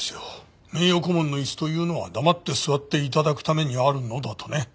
名誉顧問の椅子というのは黙って座って頂くためにあるのだとね。